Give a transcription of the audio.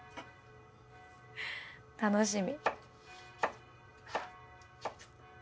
楽しみ。